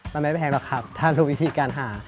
มันไม่แพงหรอกครับถ้าทุกวิธีการหา